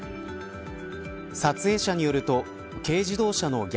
撮影者によると軽自動車の逆